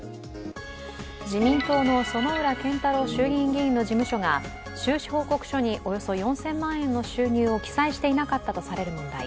自民党の薗浦健太郎衆議院議員の事務所が収支報告書におよそ４０００万円の収入を記載していなかったとされる問題。